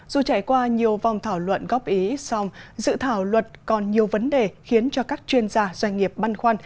dù trải qua nhiều vòng thảo luận góp ý song dự thảo luật còn nhiều vấn đề khiến cho các chuyên gia doanh nghiệp băn khoăn